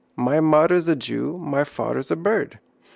My mother's a jew, my father's a bird.